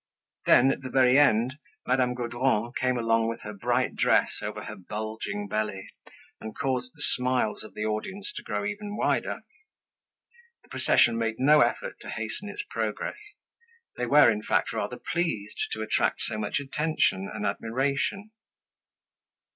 Then at the very end, Madame Gaudron came along with her bright dress over her bulging belly and caused the smiles of the audience to grow even wider. The procession made no effort to hasten its progress. They were, in fact, rather pleased to attract so much attention and admiration.